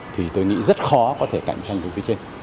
thì tôi nghĩ rất khó có thể cạnh tranh được phía trên